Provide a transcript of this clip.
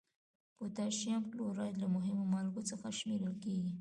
پوتاشیم کلورایډ له مهمو مالګو څخه شمیرل کیږي.